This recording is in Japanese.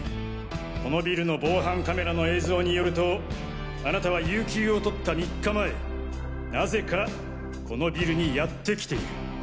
このビルの防犯カメラの映像によるとあなたは有休を取った３日前なぜかこのビルにやって来ている。